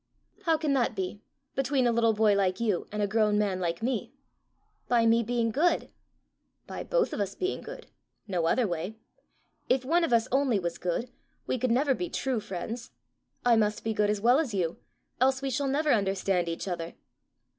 "How can that be between a little boy like you, and a grown man like me?" "By me being good." "By both of us being good no other way. If one of us only was good, we could never be true friends. I must be good as well as you, else we shall never understand each other!"